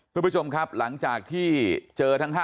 คุณผู้ชมครับหลังจากที่เจอทั้ง๕